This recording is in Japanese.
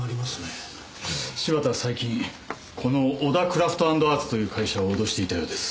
柴田は最近この小田クラフト＆アーツという会社を脅していたようです。